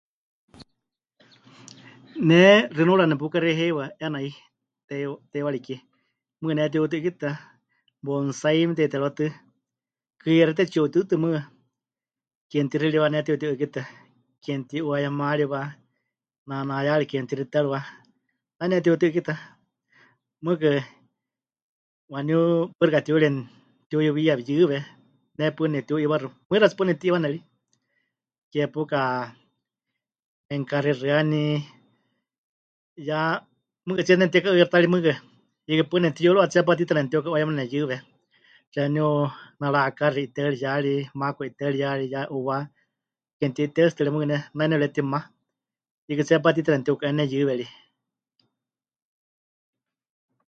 "Ne xinuura nepukaxei heiwa, 'eena 'i teiwa... teiwari kie. Mɨɨkɨ pɨnetiuti'ɨ́kitɨa, ""bonsai"" mete'iterɨwátɨ, kɨyexíte tsi 'utɨɨtɨ mɨɨkɨ ke mɨtixiriwa pɨnetiuti'ɨ́kitɨa, ke mɨti'uayemariwa, naanayari ke mɨtixiterɨwa, nai pɨneti'uti'ɨ́kitɨa. Mɨɨkɨ waníu paɨ xɨka tiuyurieni mɨtiuyuwiya pɨyɨwe, ne paɨ nepɨtiu'iiwaxɨ. Mɨixa tsɨ paɨ nepɨti'iiwane ri. Ke pauka memikáxixɨani, ya mɨɨkɨtsíe nemɨtika'ɨkixɨ ta ri mɨɨkɨ, hiikɨ paɨ nepɨtiyúruwa tseepá tiita nemɨtiuka'uayema nepɨyɨwe, xeeníu naraakaxi 'iteɨriyari, maaku 'iteɨriyari, ya 'uuwá ke mɨti'iteɨtsitɨre mɨɨkɨ ne nai nepɨretima, hiikɨ tseepá tiita nemɨtiuka'e nepɨyɨwe ri."